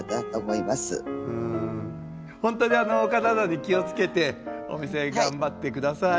ほんとにお体に気をつけてお店頑張って下さい。